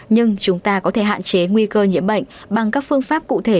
nhưng chúng ta có thể hạn chế nguy cơ nhiễm bệnh bằng các phương pháp cụ thể